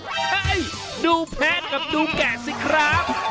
เฮ้ยดูแพนกับดูแก่สิครับ